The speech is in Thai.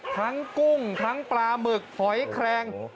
กุ้งทั้งปลาหมึกหอยแครง